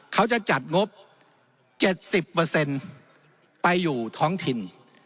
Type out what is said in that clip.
เขาจะจัดงบ๗๐ไปอยู่ท้องถิ่น